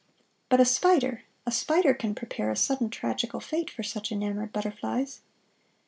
But a spider, a spider can prepare a sudden tragical fate for such enamored butterflies!